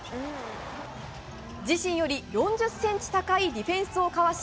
自身より４０ｃｍ高いディフェンスをかわし